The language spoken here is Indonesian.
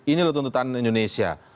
ini loh tuntutan indonesia